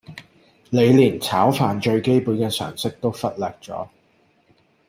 你連炒飯最基本嘅常識都忽略咗